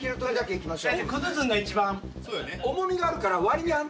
いきましょう。